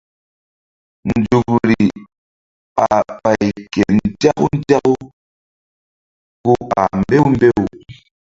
Nzukri ɓah ɓay ke nzaku nzaku ku ɓah mbew mbew.